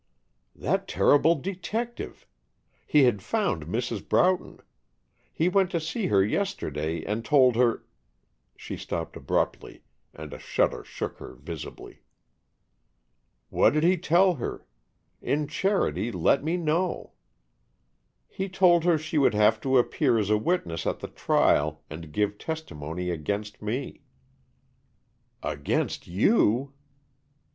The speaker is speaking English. "That terrible detective. He had found Mrs. Broughton. He went to see her yesterday and told her " She stopped abruptly, and a shudder shook her visibly. "What did he tell her? In charity, let me know." "He told her she would have to appear as a witness at the trial and give testimony against me. "Against you!"